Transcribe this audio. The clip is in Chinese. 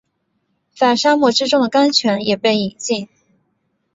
在沙漠之中的甘泉也被饮尽